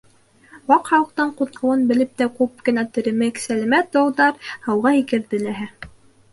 Ваҡ Халыҡтың ҡуҙғыуын белеп тә күп кенә теремек, сәләмәт долдар һыуға һикерҙе ләһә.